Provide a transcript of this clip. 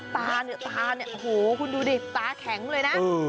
ท่าเนี่ยโอ้โหคุณดูเดตาแข็งเลยนะ